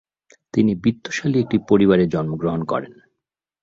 তিনি বিত্তশালী একটি পরিবারে জন্মগ্রহণ করেন।